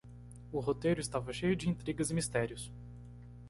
O roteiro estava cheio de intrigas e mistérios.